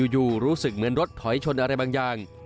อยู่รู้สึกเหมือนรถถอยชนอะไรบางอย่าง